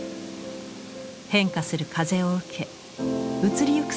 変化する風を受け移りゆく